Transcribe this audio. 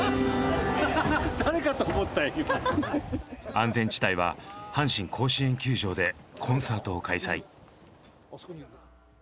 安全地帯は阪神甲子園球場でコンサートを開催。